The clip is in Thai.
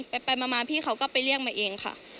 ไปมาพี่เขาก็ไปเรียกมาเองค่ะ